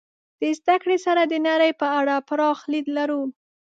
د زدهکړې سره د نړۍ په اړه پراخ لید لرو.